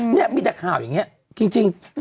จะเหมือนแบบข่าวอย่างเนี้ยกลางจง